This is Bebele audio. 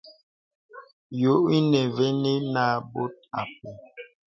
Yɔ̄ ìnə mvinəŋ nə bɔ̀t a pɛ.